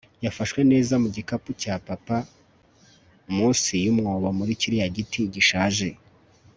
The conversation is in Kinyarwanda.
Yafashwe neza mu gikapo cya Papa munsi yumwobo muri kiriya giti gishaje